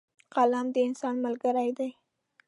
قلم د انسان ملګری دی.